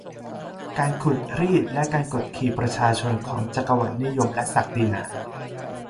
การขูดรีดและการกดขี่ประชาชนของจักรวรรดินิยมและศักดินา